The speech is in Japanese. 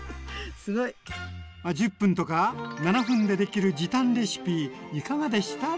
すごい！１０分とか７分でできる時短レシピいかがでした？